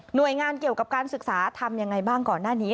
โดยงานเกี่ยวกับการศึกษาทำยังไงบ้างก่อนหน้านี้